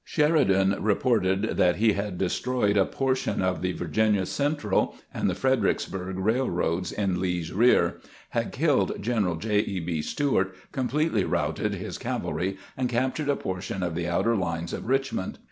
Sheridan reported that he had destroyed a portion of the Virginia Central and the Fredericksburg railroads in Lee's rear, had killed Greneral J. E. B. Stuart, completely routed his cavalry, and captured a portion of the outer lines of Richmond.